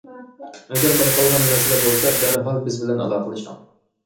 ئەگەر بايقالغان مەسىلە بولسا، دەرھال بىز بىلەن ئالاقىلىشىڭ.